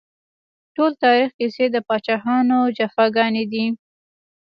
ټول تاريخ کيسې د پاچاهانو جفاګانې دي